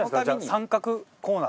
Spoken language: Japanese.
三角コーナーとか。